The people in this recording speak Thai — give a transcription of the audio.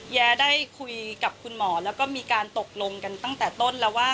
แย้ได้คุยกับคุณหมอแล้วก็มีการตกลงกันตั้งแต่ต้นแล้วว่า